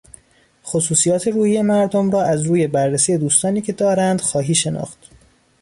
خصوصیات روحی مردم را از روی بررسی دوستانی که دارند خواهی شناخت.